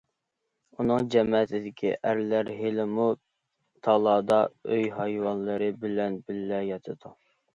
ئۇنىڭ جەمەتىدىكى ئەرلەر ھېلىمۇ تالادا ئۆي ھايۋانلىرى بىلەن بىللە ياتىدۇ.